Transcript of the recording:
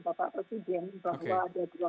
bapak presiden bahwa ada